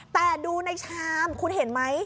แต่ดูในชามคุณเห็นไหม